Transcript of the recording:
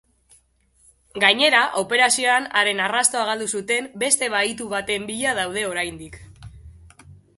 Gainera, operazioan haren arrastoa galdu zuten beste bahitu baten bila daude oraindik.